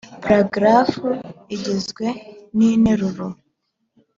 paragarafu igizwe ninteruro.